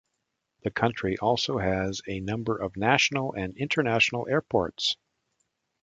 The country also has a number of national and international airports.